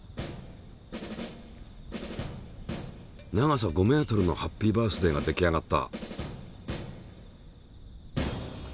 長さ５ｍのハッピーバースディが出来上がった。